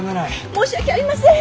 申し訳ありません！